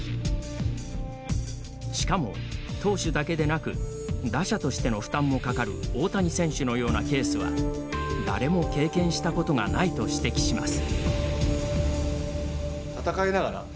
しかも投手だけでなく打者としての負担もかかる大谷選手のようなケースは誰も経験したことがないと指摘します。